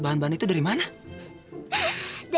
aku takut rangga